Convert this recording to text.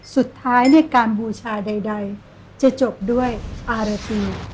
สุดท้ายในการบูชาใดจะจบด้วยอารตี